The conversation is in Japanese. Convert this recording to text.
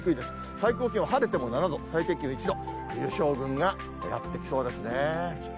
最高気温、晴れても７度、最低気温１度、冬将軍がやって来そうですね。